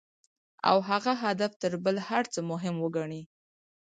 او هغه هدف تر بل هر څه مهم وګڼي.